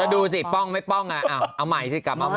ดูสิป้องไม่ป้องอ่ะเอาใหม่สิกลับมาใหม่